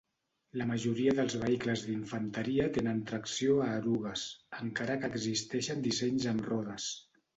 La majoria dels vehicles d'infanteria tenen tracció a erugues, encara que existeixen dissenys amb rodes.